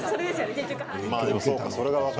そうか。